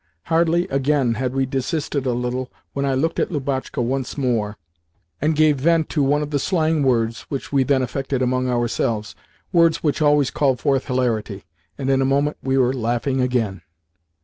Hardly, again, had we desisted a little when I looked at Lubotshka once more, and gave vent to one of the slang words which we then affected among ourselves—words which always called forth hilarity; and in a moment we were laughing again.